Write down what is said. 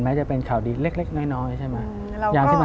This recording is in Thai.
จะเป็นข่าวดีเล็กน้อยใช่ไหม